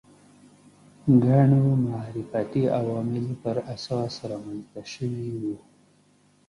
ګڼو معرفتي عواملو پر اساس رامنځته شوي وو